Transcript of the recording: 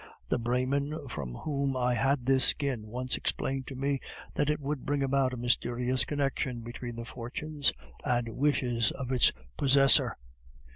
The Brahmin from whom I had this skin once explained to me that it would bring about a mysterious connection between the fortunes and wishes of its possessor.